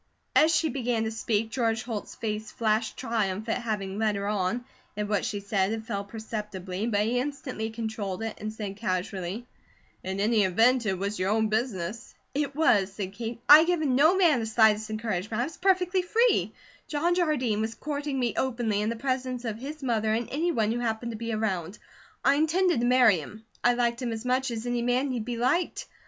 As she began to speak, George Holt's face flashed triumph at having led her on; at what she said it fell perceptibly, but he instantly controlled it and said casually: "In any event, it was your own business." "It was," said Kate. "I had given no man the slightest encouragement, I was perfectly free. John Jardine was courting me openly in the presence of his mother and any one who happened to be around. I intended to marry him. I liked him as much as any man need be liked.